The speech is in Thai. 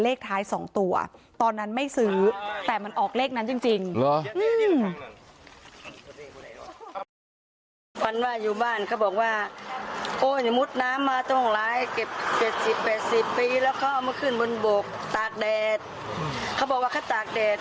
แล้วเขาเอามาขึ้นบนบุกตากแดดเขาบอกว่าเขาตากแดด